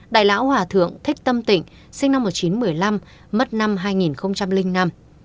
đại lão hòa thượng thích tâm tịnh sinh năm một nghìn chín trăm một mươi năm mất năm hai nghìn năm